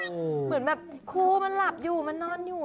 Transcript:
เหมือนแบบครูมันหลับอยู่มันนอนอยู่